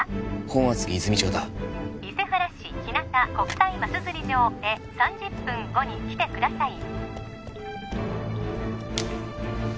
本厚木泉町だ伊勢原市日向国際マス釣り場へ３０分後に来てください